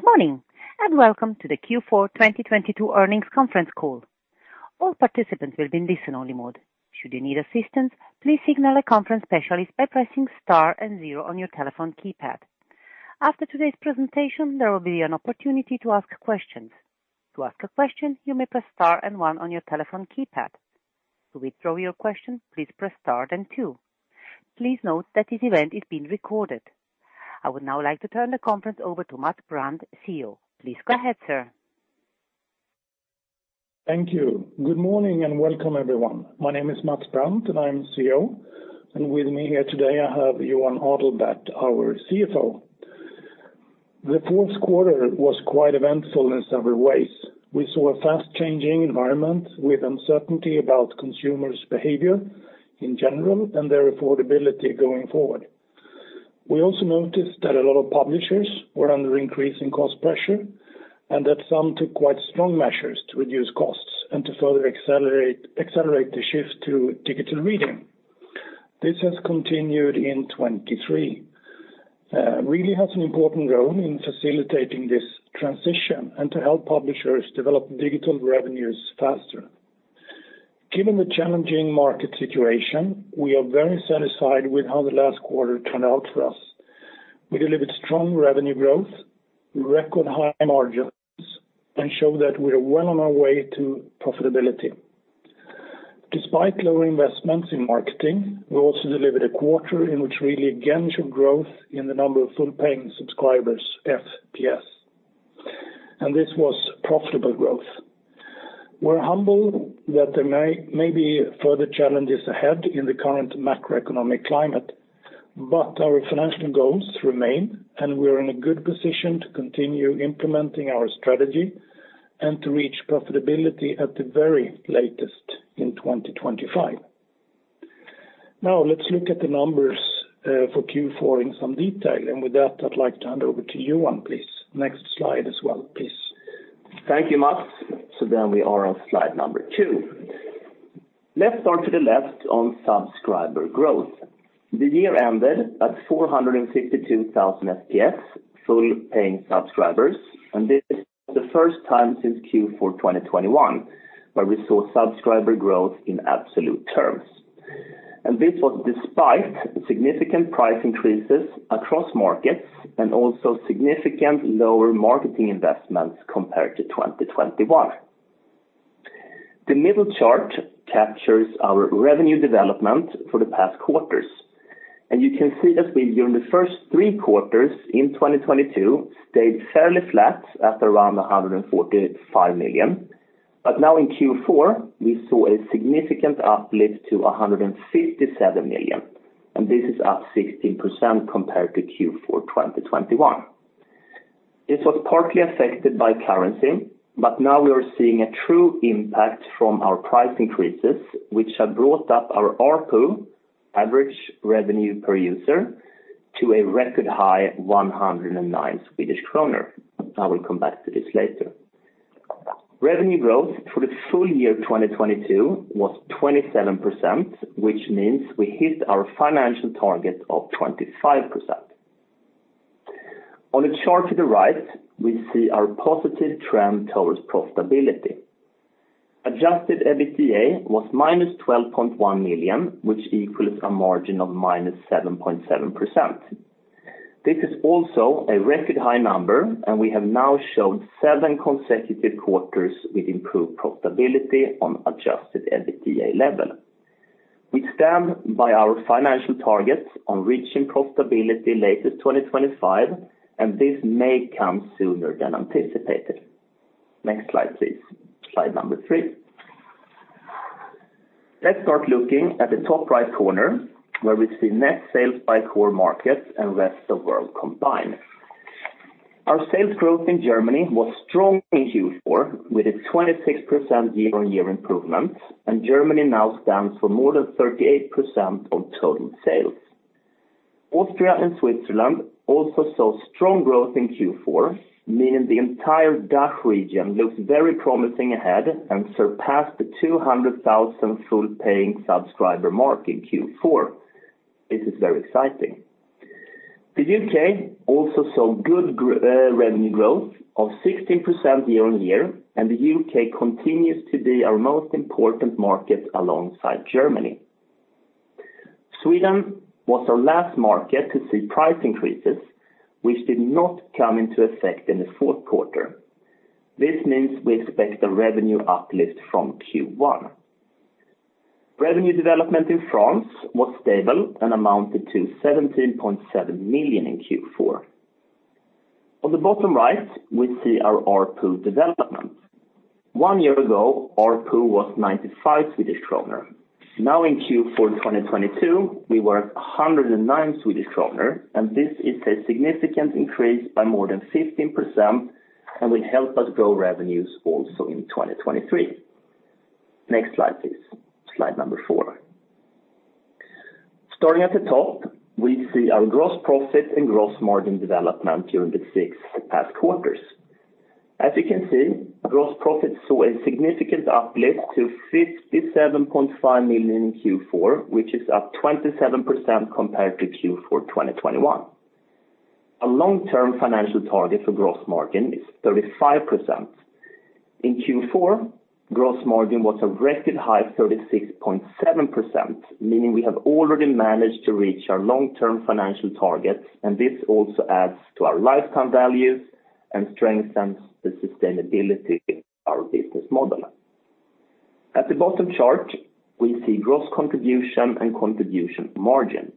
Good morning, welcome to the Q4 2022 Earnings Conference Call. All participants will be in listen-only mode. Should you need assistance, please signal a conference specialist by pressing star and zero on your telephone keypad. After today's presentation, there will be an opportunity to ask questions. To ask a question, you may press star and one on your telephone keypad. To withdraw your question, please press star, then two. Please note that this event is being recorded. I would now like to turn the conference over to Mats Brandt, CEO. Please go ahead, sir. Thank you. Good morning, and welcome, everyone. My name is Mats Brandt, and I am CEO. With me here today, I have Johan Adalberth, our CFO. The fourth quarter was quite eventful in several ways. We saw a fast-changing environment with uncertainty about consumers' behavior in general and their affordability going forward. We also noticed that a lot of publishers were under increasing cost pressure, and that some took quite strong measures to reduce costs and to further accelerate the shift to digital reading. This has continued in 2023. Readly has an important role in facilitating this transition and to help publishers develop digital revenues faster. Given the challenging market situation, we are very satisfied with how the last quarter turned out for us. We delivered strong revenue growth, record high margins, and show that we are well on our way to profitability. Despite lower investments in marketing, we also delivered a quarter in which Readly again showed growth in the number of full paying subscribers, FPS. This was profitable growth. We're humble that there may be further challenges ahead in the current macroeconomic climate, but our financial goals remain, and we're in a good position to continue implementing our strategy and to reach profitability at the very latest in 2025. Now let's look at the numbers for Q4 in some detail. With that, I'd like to hand over to you, Johan, please. Next slide as well, please. Thank you, Mats. We are on slide number two. Let's start to the left on subscriber growth. The year ended at 452,000 FPS, fully paying subscribers, and this is the first time since Q4 2021 where we saw subscriber growth in absolute terms. This was despite significant price increases across markets and also significant lower marketing investments compared to 2021. The middle chart captures our revenue development for the past quarters. You can see that we, during the first three quarters in 2022, stayed fairly flat at around 145 million. Now in Q4, we saw a significant uplift to 157 million, and this is up 16% compared to Q4 2021. This was partly affected by currency. Now we are seeing a true impact from our price increases, which have brought up our ARPU, Average Revenue Per User, to a record high 109 Swedish kronor. I will come back to this later. Revenue growth for the full year 2022 was 27%, which means we hit our financial target of 25%. On the chart to the right, we see our positive trend towards profitability. Adjusted EBITDA was -12.1 million, which equals a margin of -7.7%. This is also a record high number. We have now showed seven consecutive quarters with improved profitability on Adjusted EBITDA level. We stand by our financial targets on reaching profitability latest 2025. This may come sooner than anticipated. Next slide, please. Slide number 3. Let's start looking at the top right corner, where we see net sales by core markets and rest of world combined. Our sales growth in Germany was strong in Q4, with a 26% year-on-year improvement. Germany now stands for more than 38% of total sales. Austria and Switzerland also saw strong growth in Q4, meaning the entire DACH region looks very promising ahead and surpassed the 200,000 full paying subscriber mark in Q4. This is very exciting. The U.K. also saw good revenue growth of 16% year-on-year. The U.K. continues to be our most important market alongside Germany. Sweden was our last market to see price increases, which did not come into effect in the fourth quarter. This means we expect a revenue uplift from Q1. Revenue development in France was stable and amounted to 17.7 million in Q4. On the bottom right, we see our ARPU development. One year ago, ARPU was 95 Swedish kronor. Now in Q4 2022, we were at 109 Swedish kronor, this is a significant increase by more than 15% and will help us grow revenues also in 2023. Next slide, please. Slide 4. Starting at the top, we see our gross profit and gross margin development during the 6 past quarters. As you can see, gross profit saw a significant uplift to 57.5 million in Q4, which is up 27% compared to Q4 2021. A long-term financial target for gross margin is 35%. In Q4, gross margin was a record high of 36.7%, meaning we have already managed to reach our long-term financial targets, this also adds to our lifetime values and strengthens the sustainability of our business model. At the bottom chart, we see gross contribution and contribution margin.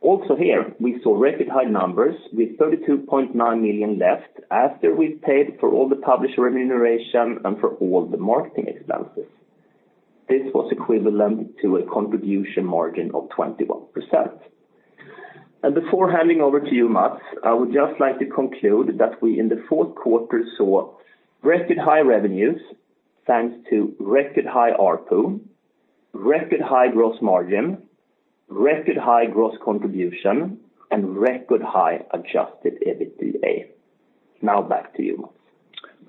Also here we saw record high numbers with 32.9 million left after we paid for all the publisher remuneration and for all the marketing expenses. This was equivalent to a contribution margin of 21%. Before handing over to you, Mats, I would just like to conclude that we in the fourth quarter saw record high revenues, thanks to record high ARPU, record high gross margin, record high gross contribution, and record high Adjusted EBITDA. Now back to you.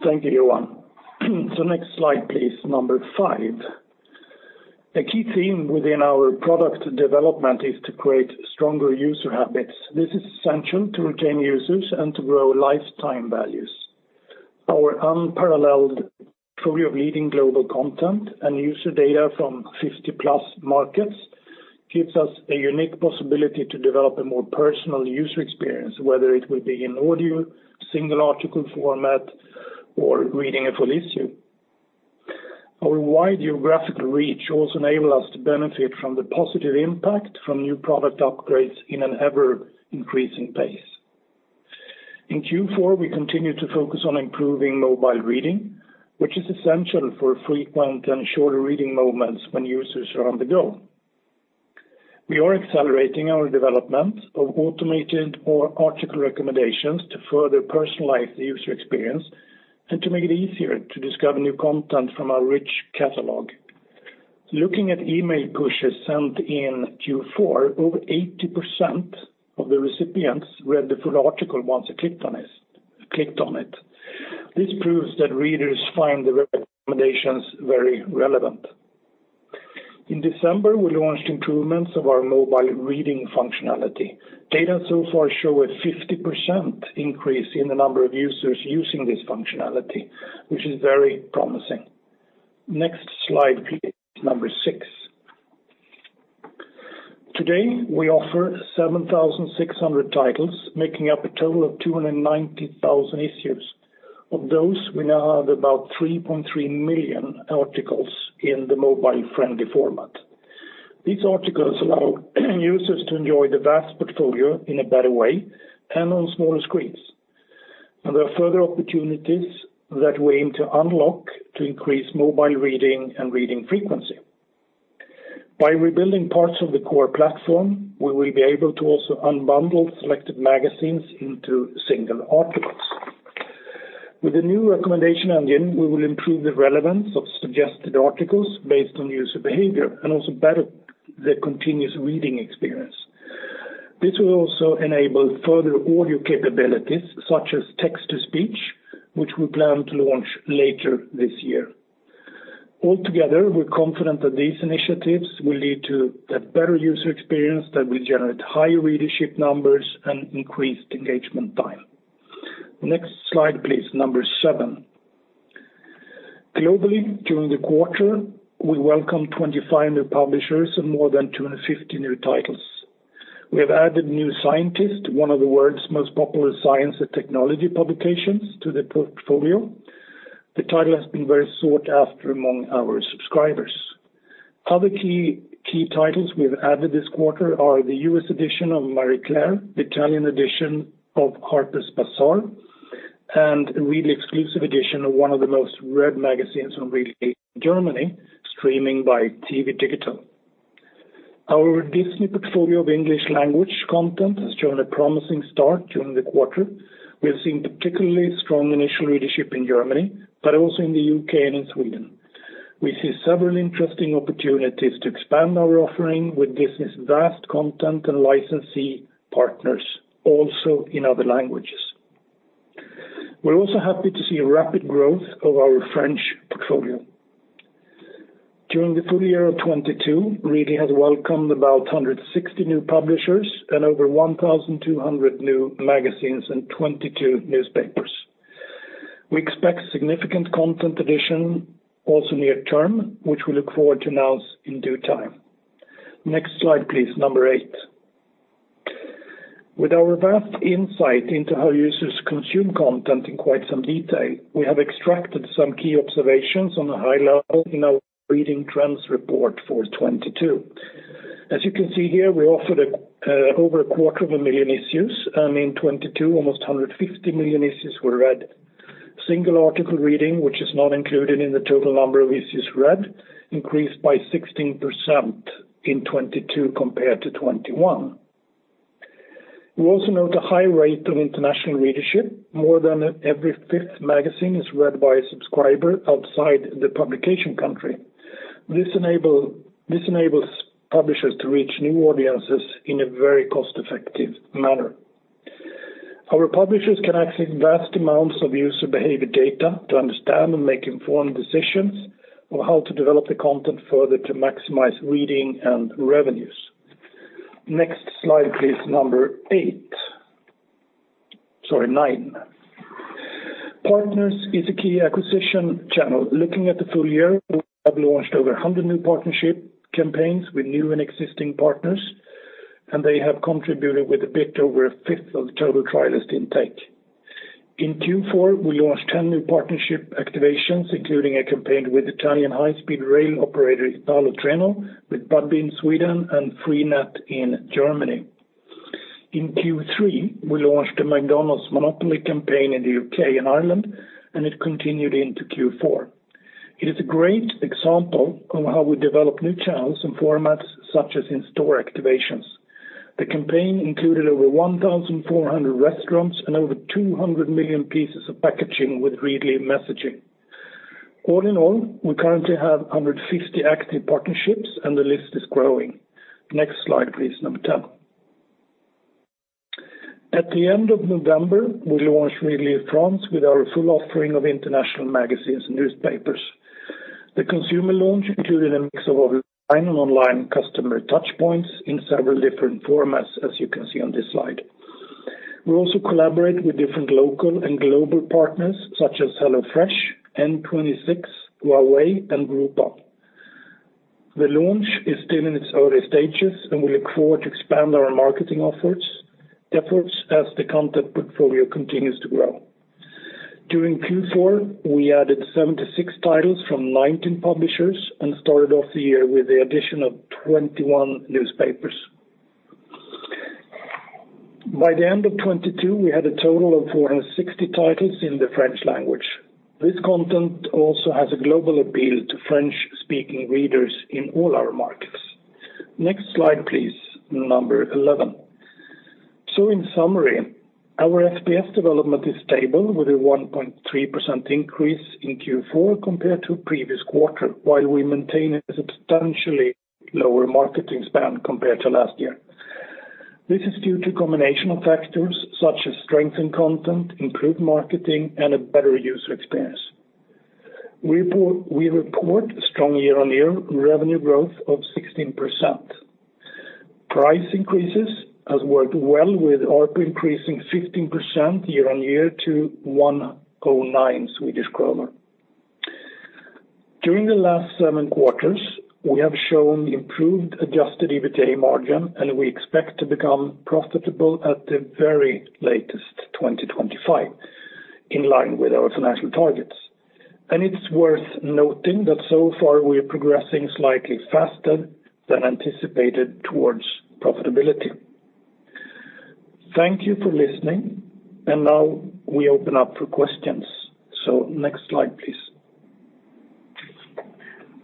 Thank you, Johan. Next slide, please. Number 5. A key theme within our product development is to create stronger user habits. This is essential to retain users and to grow lifetime values. Our unparalleled portfolio of leading global content and user data from 50-plus markets gives us a unique possibility to develop a more personal user experience, whether it will be in audio, single article format, or reading a full issue. Our wide geographical reach also enable us to benefit from the positive impact from new product upgrades in an ever-increasing pace. In Q4, we continued to focus on improving mobile reading, which is essential for frequent and shorter reading moments when users are on the go. We are accelerating our development of automated or article recommendations to further personalize the user experience and to make it easier to discover new content from our rich catalog. Looking at email pushes sent in Q4, over 80% of the recipients read the full article once they clicked on it. This proves that readers find the recommendations very relevant. In December, we launched improvements of our mobile reading functionality. Data so far show a 50% increase in the number of users using this functionality, which is very promising. Next slide, please. Number 6. Today, we offer 7,600 titles, making up a total of 290,000 issues. Of those, we now have about 3.3 million articles in the mobile-friendly format. These articles allow users to enjoy the vast portfolio in a better way and on smaller screens. There are further opportunities that we aim to unlock to increase mobile reading and reading frequency. By rebuilding parts of the core platform, we will be able to also unbundle selected magazines into single articles. With the new recommendation engine, we will improve the relevance of suggested articles based on user behavior and also better the continuous reading experience. This will also enable further audio capabilities, such as text-to-speech, which we plan to launch later this year. Altogether, we're confident that these initiatives will lead to a better user experience that will generate higher readership numbers and increased engagement time. Next slide, please. Number 7. Globally, during the quarter, we welcomed 25 new publishers and more than 250 new titles. We have added New Scientist, one of the world's most popular science and technology publications, to the portfolio. The title has been very sought-after among our subscribers. Other key titles we've added this quarter are the U.S. edition of Marie Claire, the Italian edition of Harper's Bazaar, and a Readly exclusive edition of one of the most read magazines on Readly Germany, streaming by TV DIGITAL. Our Disney portfolio of English language content has shown a promising start during the quarter. We have seen particularly strong initial readership in Germany, but also in the U.K. and in Sweden. We see several interesting opportunities to expand our offering with Disney's vast content and licensee partners, also in other languages. We're also happy to see rapid growth of our French portfolio. During the full year of 2022, Readly has welcomed about 160 new publishers and over 1,200 new magazines and 22 newspapers. We expect significant content addition also near term, which we look forward to announce in due time. Next slide, please. Number 8. With our vast insight into how users consume content in quite some detail, we have extracted some key observations on a high level in our reading trends report for 2022. As you can see here, we offered over a quarter of a million issues, and in 2022, almost 150 million issues were read. Single article reading, which is not included in the total number of issues read, increased by 16% in 2022 compared to 2021. We also note a high rate of international readership. More than every fifth magazine is read by a subscriber outside the publication country. This enables publishers to reach new audiences in a very cost-effective manner. Our publishers can access vast amounts of user behavior data to understand and make informed decisions on how to develop the content further to maximize reading and revenues. Next slide, please. Number 8. Sorry, 9. Partners is a key acquisition channel. Looking at the full year, we have launched over 100 new partnership campaigns with new and existing partners. They have contributed with a bit over a fifth of the total trialist intake. In Q4, we launched 10 new partnership activations, including a campaign with Italian high-speed rail operator, Italo Treno, with bubbi in Sweden and freenet in Germany. In Q3, we launched a McDonald's Monopoly campaign in the U.K. and Ireland. It continued into Q4. It is a great example of how we develop new channels and formats such as in-store activations. The campaign included over 1,400 restaurants and over 200 million pieces of packaging with Readly messaging. All in all, we currently have 150 active partnerships. The list is growing. Next slide, please. Number 10. At the end of November, we launched Readly France with our full offering of international magazines and newspapers. The consumer launch included a mix of online and online customer touchpoints in several different formats, as you can see on this slide. We also collaborate with different local and global partners such as HelloFresh, N26, Huawei, and Groupon. The launch is still in its early stages. We look forward to expand our marketing efforts as the content portfolio continues to grow. During Q4, we added 76 titles from 19 publishers. Started off the year with the addition of 21 newspapers. By the end of 2022, we had a total of 460 titles in the French language. This content also has a global appeal to French-speaking readers in all our markets. Next slide, please. Number 11. In summary, our FPS development is stable with a 1.3% increase in Q4 compared to previous quarter, while we maintain a substantially lower marketing spend compared to last year. This is due to a combination of factors such as strength in content, improved marketing, and a better user experience. We report strong year-on-year revenue growth of 16%. Price increases has worked well with ARPU increasing 15% year-on-year to 109 Swedish kronor. During the last seven quarters, we have shown improved Adjusted EBITDA margin. We expect to become profitable at the very latest 2025, in line with our financial targets. It's worth noting that so far we are progressing slightly faster than anticipated towards profitability. Thank you for listening. Now we open up for questions. Next slide, please.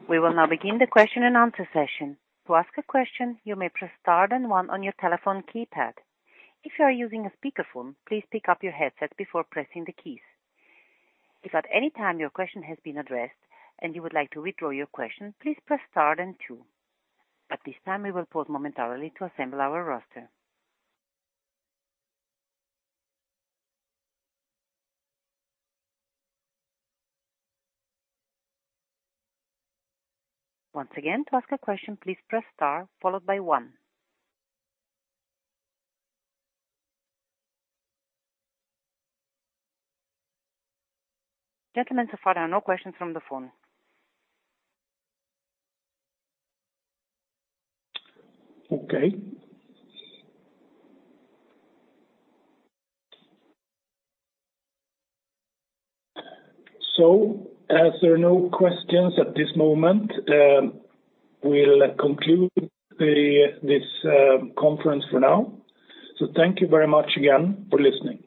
We will now begin the question and answer session. To ask a question, you may press star then one on your telephone keypad. If you are using a speakerphone, please pick up your headset before pressing the keys. If at any time your question has been addressed and you would like to withdraw your question, please press star then two. At this time, we will pause momentarily to assemble our roster. Once again, to ask a question, please press star followed by one. Gentlemen, so far there are no questions from the phone. Okay. As there are no questions at this moment, we'll conclude this conference for now. Thank you very much again for listening.